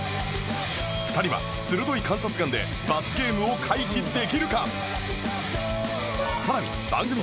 ２人は鋭い観察眼で罰ゲームを回避できるか？